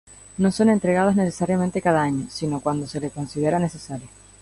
No son entregados necesariamente cada año, sino cuando se le considera necesario.